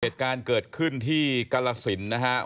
เหตุการณ์เกิดขึ้นที่กรสินนะครับ